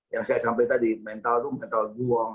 yang saya sampaikan tadi mental itu mental buang